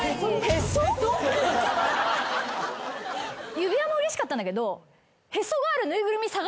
指輪もうれしかったんだけど。